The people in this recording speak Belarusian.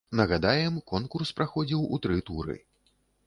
Нагадаем, конкурс праходзіў у тры туры.